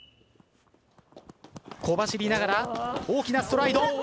小走りながら大きなストライド。